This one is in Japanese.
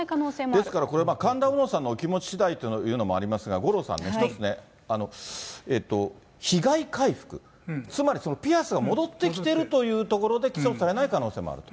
ですから、これ、神田うのさんのお気持ちしだいというのもありますが、五郎さんね、一つね、被害回復、つまりそのピアスが戻ってきているというところで、起訴されない可能性もあると。